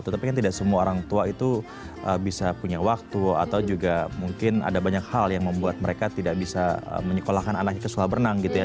tetapi kan tidak semua orang tua itu bisa punya waktu atau juga mungkin ada banyak hal yang membuat mereka tidak bisa menyekolahkan anaknya ke sekolah berenang gitu ya